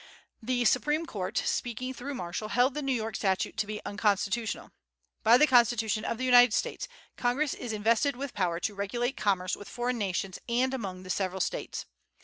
The Supreme Court, speaking through Marshall, held the New York statute to be unconstitutional. By the Constitution of the United States, Congress is invested with power "to regulate commerce with foreign nations and among the several States."